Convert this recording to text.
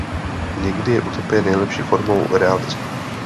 Někdy je utopie nejlepší formou realismu.